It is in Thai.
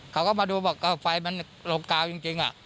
เขาก็มาดูบอกว่าไฟมันโหลกกาวจริงอ่ะ